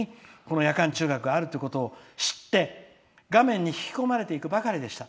「夜間中学があるというのを知って画面に引き込まれていくばかりでした。